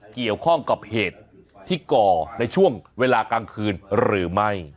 เกี่ยวข้องกับเหตุที่ก่อในช่วงเวลากลางคืนหรือไม่